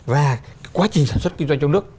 và quá trình sản xuất kinh doanh trong nước